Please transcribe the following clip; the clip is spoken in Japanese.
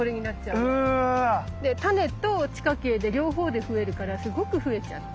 うわ！で種と地下茎で両方で増えるからすごく増えちゃって。